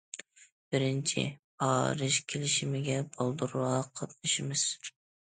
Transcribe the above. بىرىنچى، پارىژ كېلىشىمىگە بالدۇرراق قاتنىشىمىز.